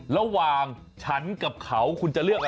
ระหว่างฉันกับเขาคุณจะเลือกอะไร